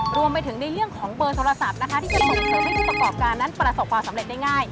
รวมไปถึงในเรื่องของเบอร์โทรศัพท์นะคะที่จะส่งเสริมให้ผู้ประกอบการนั้นประสบความสำเร็จได้ง่าย